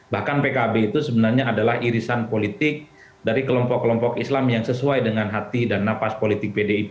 bahkan pkb itu sebenarnya adalah irisan politik dari kelompok kelompok islam yang sesuai dengan hati dan napas politik pdip